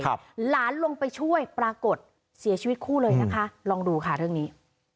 หลานลงไปช่วยปรากฏเสียชีวิตคู่เลยนะคะลองดูค่ะเรื่องนี้